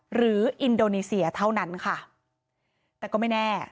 อินโดนีเซียเท่านั้นค่ะแต่ก็ไม่แน่